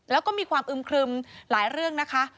แล้วก็มีความอึมครึมหลายเรื่องนะคะ